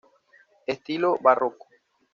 Estilo Barroco.